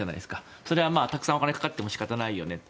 それはたくさんお金がかかっても仕方ないよねと。